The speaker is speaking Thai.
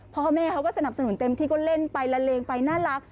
พ่อแม่เขาก็สนับสนุนเต็มที่ก็เล่นไปละเลงไปน่ารัก